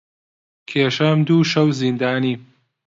کێشام دوو شەو زیندانی